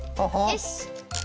よし。